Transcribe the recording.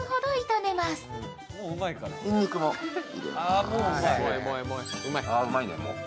あ、うまいね、もう。